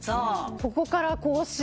ここから甲子園。